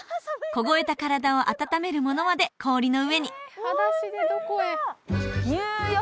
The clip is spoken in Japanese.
凍えた体を温めるものまで氷の上に温泉だ入浴！